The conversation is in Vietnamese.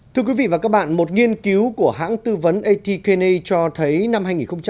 thưa quý vị và các bạn một nghiên cứu của hãng tư vấn atkna cho thấy năm hai nghìn một mươi bảy